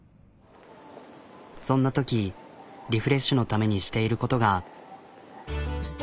そんなときリフレッシュのためにしていることが。